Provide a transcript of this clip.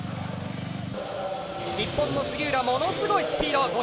日本の杉浦、ものすごいスピード。